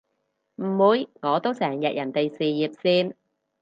唔會，我都成日人哋事業線